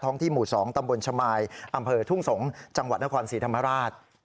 ที่หมู่๒ตำบลชมายอำเภอทุ่งสงศ์จังหวัดนครศรีธรรมราช